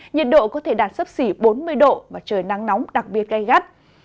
nhiệt độ có thể đạt sấp xỉ bốn mươi độ và trời nắng nóng đặc biệt gây gắt